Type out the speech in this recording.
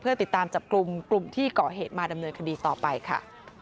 ติดตามจับกลุ่มกลุ่มที่เกาะเหตุมาดำเนินคดีต่อไปค่ะ